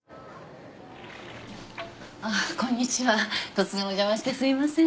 突然お邪魔してすいません。